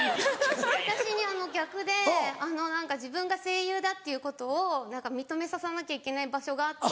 私逆で自分が声優だっていうことを認めさせなきゃいけない場所があって。